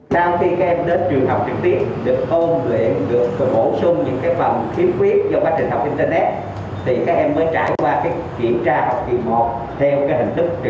sau khi các em đến trường học trực tiếp được ôn luyện được bổ sung những phần thiết quyết trong